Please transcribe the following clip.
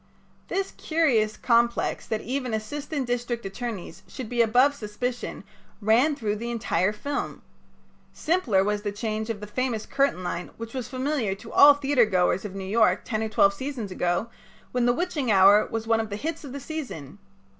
'" This curious complex that even assistant district attorneys should be above suspicion ran through the entire film. Simpler was the change of the famous curtain line which was familiar to all theatergoers of New York ten or twelve seasons ago when "The Witching Hour" was one of the hits of the season.